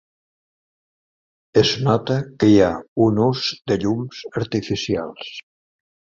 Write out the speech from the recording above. Es nota que hi ha un ús de llums artificials.